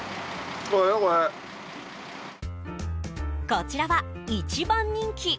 こちらは一番人気